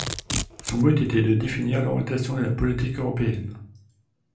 Son but était de définir l'orientation de la politique européenne.